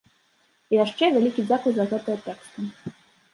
І яшчэ вялікі дзякуй за гэтыя тэксты.